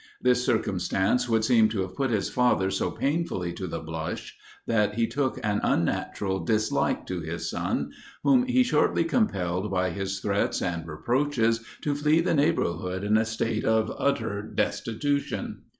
This circumstance would seem to have put his father so painfully to the blush, that he took an unnatural dislike to his son; whom he shortly compelled by his threats and reproaches to flee the neighbourhood in a state of utter destitution.